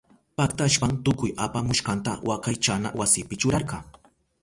Paktashpan tukuy apamushkanta wakaychana wasipi churarka.